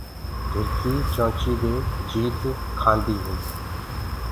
جھرڪي چونچي دي جيت گِٽدي هي۔